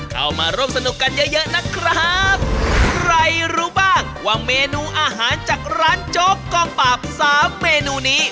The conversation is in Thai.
เข้ามาร่วมสนุกกันเยอะเยอะนะครับใครรู้บ้างว่าเมนูอาหารจากร้านโจ๊กกองปราบสามเมนูนี้